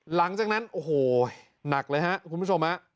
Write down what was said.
หลังจากนั้นโอ้โหหนักเลยครับคุณผู้ชมฮะ